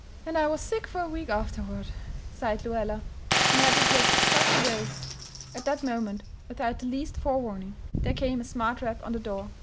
"And I was sick for a week afterward," sighed Lluella. "And had to take such a dose!" At that moment, without the least forewarning, there came a smart rap on the door.